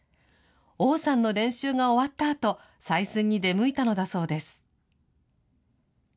王さんの練習が終わったあと、採寸に出向いたのだそうです。